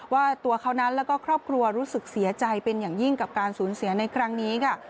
ว่าตัวเขานั้นแล้วก็ครอบครัวรู้สึกเสียใจเป็นอย่างยิ่งกับการสูญเสียในครั้งนี้ค่ะ